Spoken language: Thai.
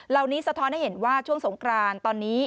สะท้อนให้เห็นว่าช่วงสงกรานตอนนี้